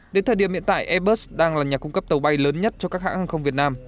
đến thời điểm hiện tại airbus đang là nhà cung cấp tàu bay lớn nhất cho các hãng hàng không việt nam